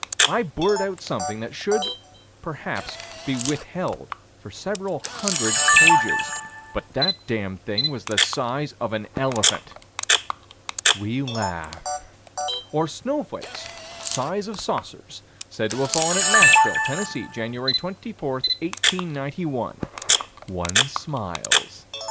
I blurt out something that should, perhaps, be withheld for several hundred pages but that damned thing was the size of an elephant. We laugh. Or snowflakes. Size of saucers. Said to have fallen at Nashville, Tenn., Jan. 24, 1891. One smiles.